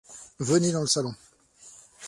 Venez dans le salon.